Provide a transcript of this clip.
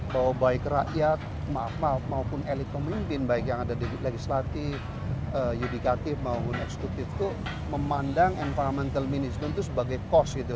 bahwa baik rakyat maupun elit pemimpin baik yang ada di legislatif yudikatif maupun eksekutif itu memandang environmental management itu sebagai cost gitu